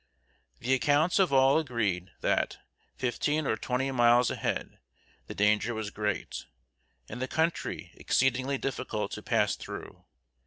The accounts of all agreed that, fifteen or twenty miles ahead, the danger was great, and the country exceedingly difficult to pass through.